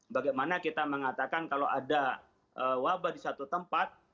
bagaimana kita mengatakan kalau ada wabah di satu tempat